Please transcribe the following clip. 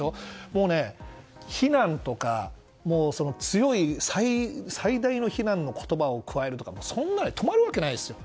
もうね、非難とか最大の非難の言葉を加えるとかで止まるわけがないですよ。